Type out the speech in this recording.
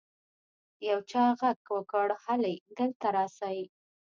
يو چا ږغ وکړ هلئ دلته راسئ.